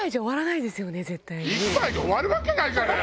１杯で終わるわけないじゃない！